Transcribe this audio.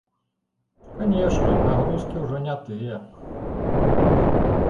Канечне, нагрузкі ўжо не тыя.